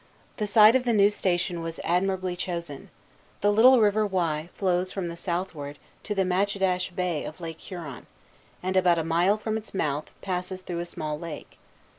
The site of the new station was admirably chosen. The little river Wye flows from the southward into the Matchedash Bay of Lake Huron, and, at about a mile from its mouth, passes through a small lake.